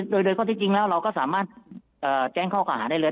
โดยข้อที่จริงแล้วเราก็สามารถแจ้งข้อกล่าหาได้เลย